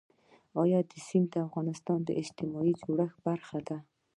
د کابل سیند د افغانستان د اجتماعي جوړښت برخه ده.